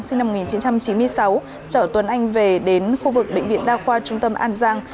sinh năm một nghìn chín trăm chín mươi sáu chở tuấn anh về đến khu vực bệnh viện đa khoa trung tâm an giang